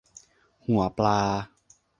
หัวปลา